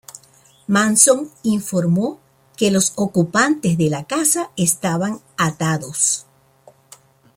Manson informó que los ocupantes de la casa estaban atados.